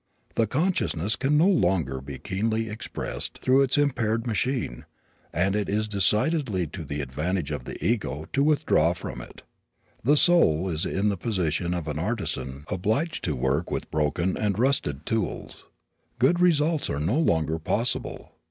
The consciousness can no longer be keenly expressed through its impaired machine and it is decidedly to the advantage of the ego to withdraw from it. The soul is in the position of an artisan obliged to work with broken and rusted tools. Good results are no longer possible.